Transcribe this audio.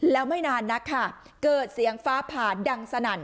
แล้วไม่นานนักค่ะเกิดเสียงฟ้าผ่าดังสนั่น